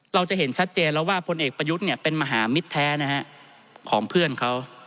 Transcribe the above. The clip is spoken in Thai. เราจะเห็นชัดเจนแล้วว่าพลเอกประยุทธ์เป็นมหามิตรแท้ของเพื่อนเขา